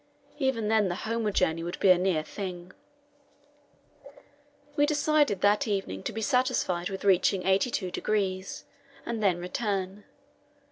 Even then the homeward journey would be a near thing. We decided that evening to be satisfied with reaching 82°, and then return.